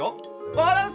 バランス！